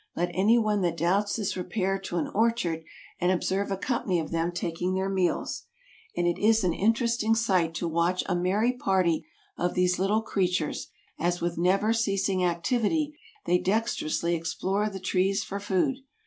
Let anyone that doubts this repair to an orchard and observe a company of them taking their meals. And it is an interesting sight to watch a merry party of these little creatures, as with never ceasing activity they dexterously explore the trees for food.